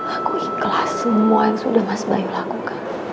aku ikhlas semua yang sudah mas bayu lakukan